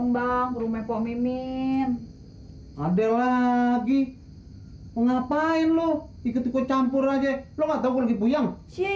bang rumah pak mimin ada lagi ngapain lu ikut ikut campur aja lo nggak tahu lagi puyeng